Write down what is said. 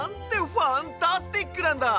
ファンタスティックなんだ！